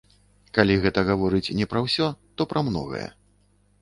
Калі гэта гаворыць не пра ўсё, то пра многае.